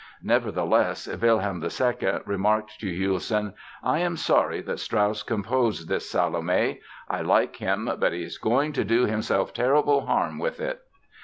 Nevertheless, Wilhelm II remarked to Hülsen: "I am sorry that Strauss composed this Salome. I like him, but he is going to do himself terrible harm with it!"